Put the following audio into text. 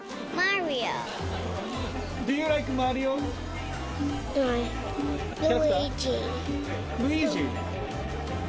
ルイージ？